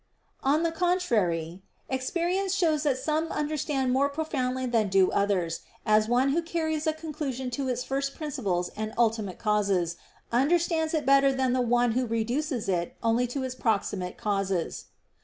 On the contrary, Experience shows that some understand more profoundly than do others; as one who carries a conclusion to its first principles and ultimate causes understands it better than the one who reduces it only to its proximate causes.